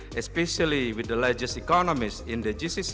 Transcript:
terutama dengan ekonomi yang lebih besar di gcc